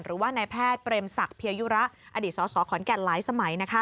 หรือว่านายแพทย์เปรมศักดิยยุระอดีตสสขอนแก่นหลายสมัย